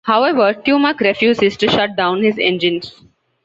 However, Tumak refuses to shut down his engines.